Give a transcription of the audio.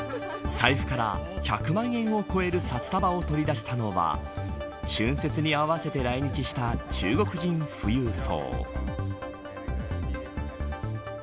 財布から１００万円を超える札束を取り出したのは春節に合わせて来日した中国人富裕層。